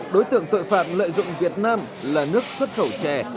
đối tượng tội phạm lợi dụng việt nam là nước xuất khẩu chè